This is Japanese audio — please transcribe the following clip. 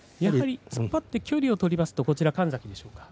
突っ張って距離を取りますと神崎でしょうか。